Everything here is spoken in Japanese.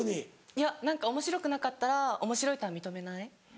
いや何かおもしろくなかったらおもしろいとは認めない。